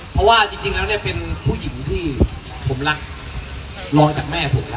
เพราะว่าจริงแล้วเนี่ยเป็นผู้หญิงที่ผมรักรองจากแม่ผมแล้ว